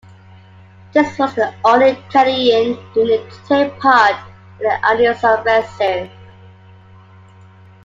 This was the only Canadian unit to take part in the Ardennes offensive.